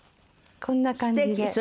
こんな感じで。